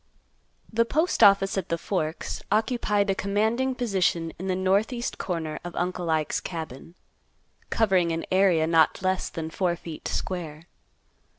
The Postoffice at the Forks occupied a commanding position in the northeast corner of Uncle Ike's cabin, covering an area not less than four feet square.